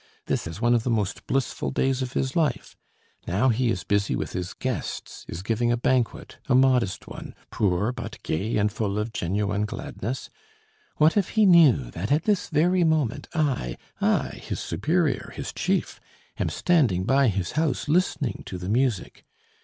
This is one of the most blissful days of his life.... Now he is busy with his guests, is giving a banquet, a modest one, poor, but gay and full of genuine gladness.... What if he knew that at this very moment I, I, his superior, his chief, am standing by his house listening to the music?